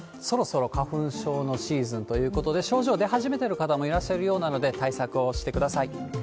そろそろ花粉症のシーズンということで、症状出始めてる方もいらっしゃるようなので、対策をしてください。